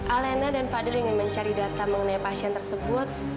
alena dan fadil ingin mencari data mengenai pasien tersebut